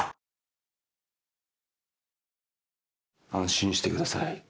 安心してください。